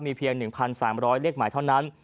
เพียง๑๓๐๐เลขหมายเท่านั้น